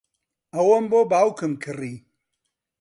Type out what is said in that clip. ئەوەم بۆ باوکم کڕی.